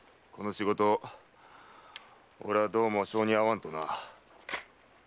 この仕事俺はどうも性に合わんとな。